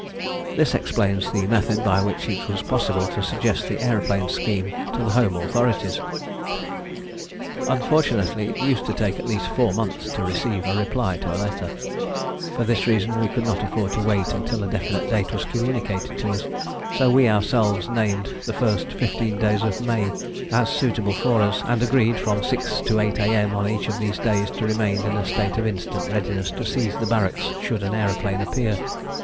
This explains the method by which it was possible to suggest the aeroplane scheme to the home authorities. Unfortunately it used to take at least four months to receive a reply to a letter. For this reason we could not afford to wait until a definite date was communicated to us, so we ourselves named the first fifteen days of May as suitable for us, and agreed, from 6 to 8 A.M. on each of these days, to remain in a state of instant readiness to seize the barracks should an aeroplane appear.